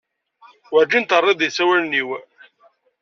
Werǧin terriḍ-d i yisawalen-iw.